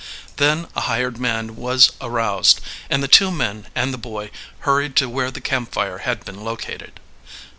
Then a hired man was aroused, and the two men and the boy hurried to where the campfire had been located.